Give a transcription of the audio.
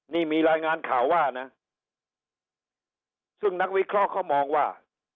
นี่มีรายงานข่าวว่านะซึ่งนักวิเคราะห์เขามองว่า